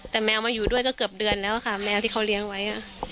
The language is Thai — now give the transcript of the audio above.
แต่แมวมาอยู่ด้วยก็เกือบเดือนแล้วค่ะแมวที่เขาเลี้ยงไว้